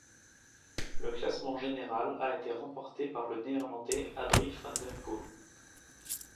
Le classement général a été remporté par le Néerlandais Adrie van der Poel.